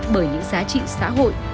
bởi những giá trị xã hội